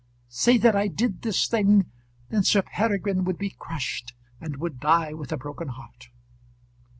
"Say that I did this thing, then Sir Peregrine would be crushed, and would die with a broken heart."